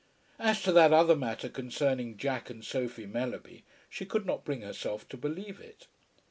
As to that other matter concerning Jack and Sophie Mellerby, she could not bring herself to believe it.